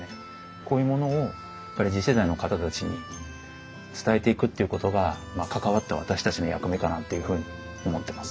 こういうものをやっぱり次世代の方たちに伝えていくっていうことが関わった私たちの役目かなというふうに思ってます。